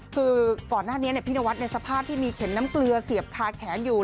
คือก่อนหน้านี้พี่นวัดในสภาพที่มีเข็มน้ำเกลือเสียบคาแขนอยู่